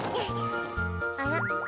あら。